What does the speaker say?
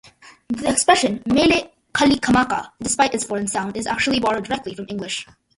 The expression "Mele Kalikimaka", despite its foreign sound, is actually borrowed directly from English.